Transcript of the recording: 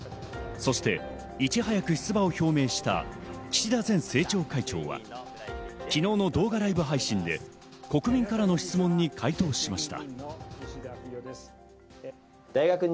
そして、いち早く出馬を表明した岸田前政調会長は、昨日の動画ライブ配信で国民からの質問に回答しました。